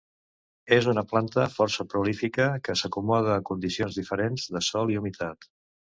És una planta força prolífica que s'acomoda a condicions diferents de sòl i humitat.